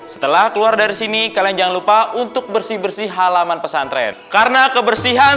setelah keluar dari sini kalian jangan lupa untuk bersih bersih halaman pesantren karena kebersihan